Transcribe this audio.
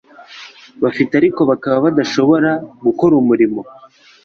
Bafite ariko bakaba badashobora gukora umurimo